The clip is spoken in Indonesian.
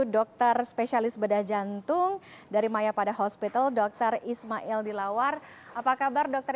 dokter spesialis bedah jantung dari maya pada hospital dr ismail dilawar apa kabar dokter